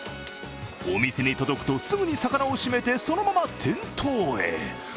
お店に届くとすぐに魚を締めてそのまま店頭へ。